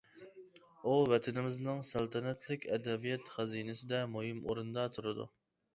ئۇ ۋەتىنىمىزنىڭ سەلتەنەتلىك ئەدەبىيات خەزىنىسىدە مۇھىم ئورۇندا تۇرىدۇ.